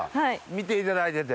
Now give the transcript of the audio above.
見ていただいてて？